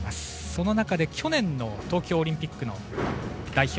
その中で去年の東京オリンピックの代表